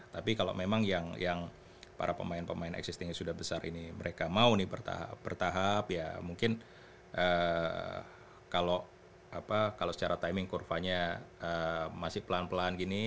tapi kalau memang yang para pemain pemain existingnya sudah besar ini mereka mau nih bertahap ya mungkin kalau secara timing kurvanya masih pelan pelan gini